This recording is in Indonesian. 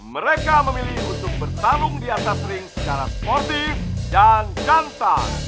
mereka memilih untuk bertarung di atas ring secara sportif dan ganta